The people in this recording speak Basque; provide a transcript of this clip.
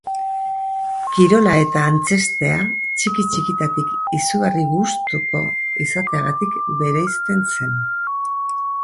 Kirola eta antzeztea txiki-txikitatik izugarri gustuko izateagatik bereizten zen.